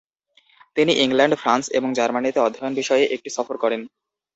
তিনি England, France এবং জার্মানিতে অধ্যয়ন বিষয়ে একটি সফর করেন।